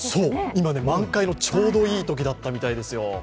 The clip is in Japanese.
今ね、満開のちょうどいい時だったみたいですよ。